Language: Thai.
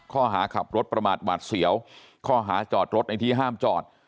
ข้อหาขับรถประมาทหวาดเสียวข้อหาจอดรถในที่ห้ามจอด